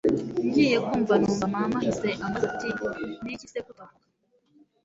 ngiye kumva numva mama ahise ambaza ati niki se ko utavuga !